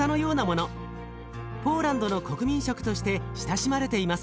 ポーランドの国民食として親しまれています。